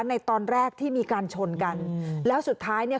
ในตอนแรกที่มีการชนกันแล้วสุดท้ายเนี่ย